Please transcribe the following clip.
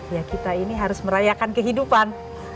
ya kita ini harus merayakan kehidupan